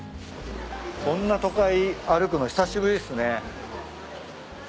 こんな都会歩くの久しぶりっすね。